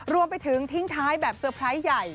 รวมไปถึงทิ้งท้ายแบบเตอร์ไพรส์ใหญ่